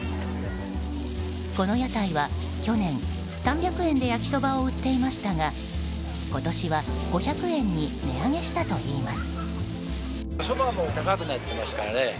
この屋台は、去年３００円で焼きそばを売っていましたが今年は５００円に値上げしたといいます。